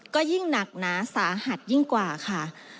ก็ยิ่งหนักหนาสาหัสยิ่งกว่าค่ะ